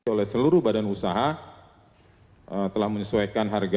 oleh seluruh badan usaha telah menyesuaikan harga